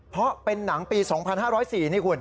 เพราะเป็นหนังปี๒๕๐๔นี่คุณ